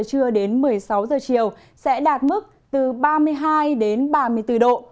trưa đến một mươi sáu giờ chiều sẽ đạt mức từ ba mươi hai đến ba mươi bốn độ